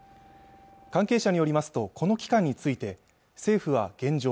関係者によりますとこの期間について政府は現状